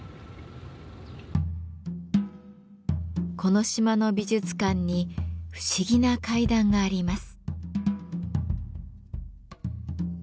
この島の美術館に不思議な階段があります。